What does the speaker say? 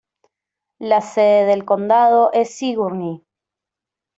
La sede del condado es Sigourney.